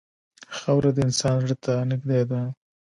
خاوره د انسان زړه ته نږدې ده.